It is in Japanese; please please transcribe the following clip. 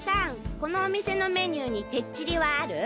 このお店のメニューにてっちりはある？